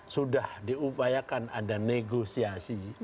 sudah diupayakan ada negosiasi